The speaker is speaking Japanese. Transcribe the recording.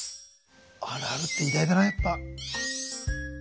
あるあるって偉大だなやっぱ。